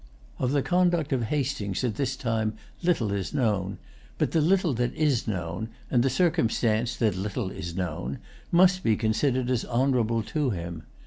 Of the conduct of Hastings at this time little is known; but the little that is known, and the circumstance that little is known, must be considered as honorable to him.